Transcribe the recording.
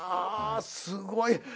すごい。